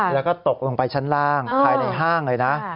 แล้วก็ตกลงไปชั้นล่างภายในห้างเลยนะ